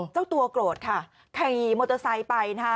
เจ้าตัวโกรธค่ะขี่มอเตอร์ไซค์ไปนะคะ